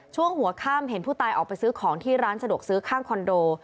ช่วงหัวข้ามเห็นผู้ตายออกไปซื้อของที่ร้านสะดวกซื้อข้างคอนโด